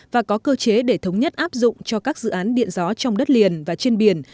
và có cơ chế để thống nhất áp dụng cho các dự án điện gió trong đất liền và trên biển